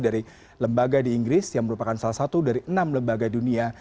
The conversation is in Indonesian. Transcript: dari lembaga di inggris yang merupakan salah satu dari enam lembaga dunia